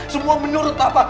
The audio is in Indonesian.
semua menurut papa